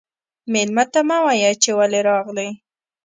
مېلمه ته مه وايه چې ولې راغلې.